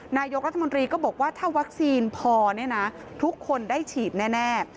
นายกรัฐมนตรีก็บอกว่าถ้าวัคซีนพอเนี่ยนะทุกคนได้ฉีดแน่